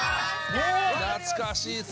懐かしいっすね。